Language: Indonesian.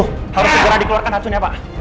harus segera dikeluarkan